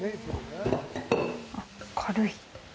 あっ、軽い。